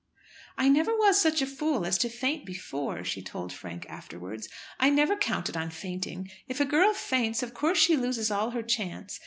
"I never was such a fool as to faint before," she told Frank afterwards. "I never counted on fainting. If a girl faints, of course she loses all her chance.